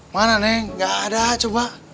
mana neng nggak ada coba